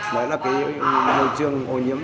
đó là cái môi trường ô nhiễm